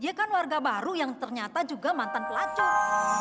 dia kan warga baru yang ternyata juga mantan pelacor